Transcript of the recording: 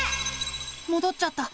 もどっちゃった。